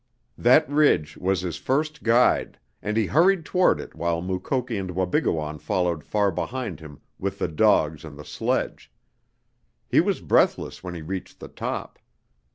That ridge was his first guide, and he hurried toward it while Mukoki and Wabigoon followed far behind him with the dogs and the sledge. He was breathless when he reached the top.